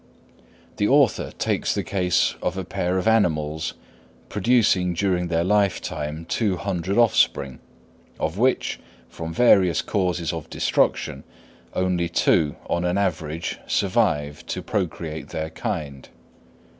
The author takes the case of a pair of animals, producing during their lifetime two hundred offspring, of which, from various causes of destruction, only two on an average survive to pro create their kind.